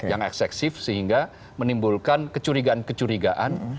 yang ekseksif sehingga menimbulkan kecurigaan kecurigaan